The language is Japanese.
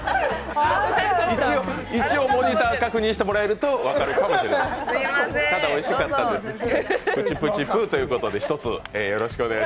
一応モニター確認してもらえると分かるかもしれない。